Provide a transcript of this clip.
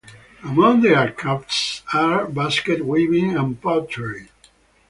Among their crafts are basket weaving and pottery.